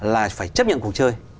là phải chấp nhận cuộc chơi